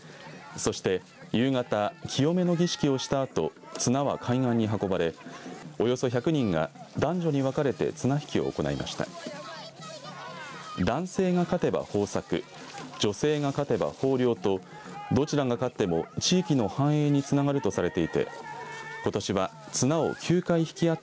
そして夕方清めの儀式をしたあと綱は海岸に運ばれおよそ１００人が男女に分かれて綱引きを行いました。